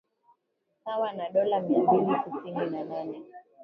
sawa na dola mia mbili tisini na nane